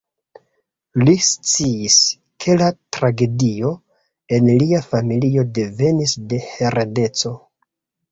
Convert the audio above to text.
Li sciis, ke la tragedio en lia familio devenis de heredeco.